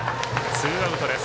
ツーアウトです。